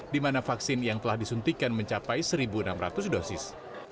di mana vaksin yang telah disuntikan mencapai satu enam ratus dosis